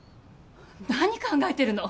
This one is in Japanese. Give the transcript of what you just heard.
何考えてるの？